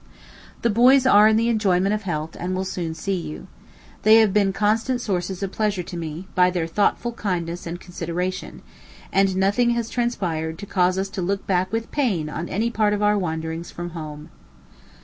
The boys are in the enjoyment of health, and will soon see you. They have been constant sources of pleasure to me, by their thoughtful kindness and consideration; and nothing has transpired, to cause us to look back with pain on any part of our wanderings from home.